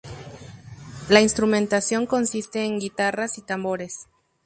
La instrumentación consiste en guitarras y tambores.